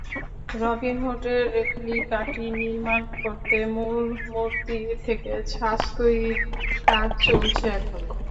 রবিনহুডের রেপ্লিকাটি নির্মাণ করতে মূল মূর্তি থেকে ছাঁচ তৈরির কাজ চলছে এখন।